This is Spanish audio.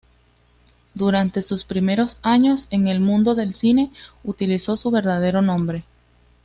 Durante sus primeros años en el mundo del cine utilizó su verdadero nombre.